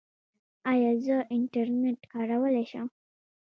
ایا زه انټرنیټ کارولی شم؟